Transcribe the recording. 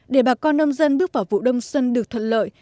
để bà con nông dân bước vào vụ đông xuân được thuận lợi